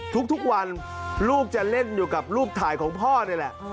ทุกวันลูกจะเล่นอยู่กับรูปถ่ายของพ่อนี่แหละ